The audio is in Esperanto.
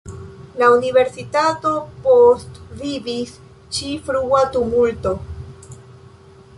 La Universitato postvivis ĉi frua tumulto.